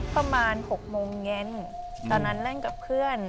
ประมาณ๖โมงเย็นตอนนั้นเล่นกับเพื่อน